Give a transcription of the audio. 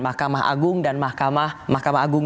mahkamah agung dan mahkamah agung